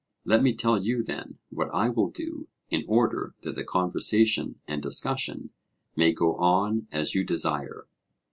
Let me tell you then what I will do in order that the conversation and discussion may go on as you desire.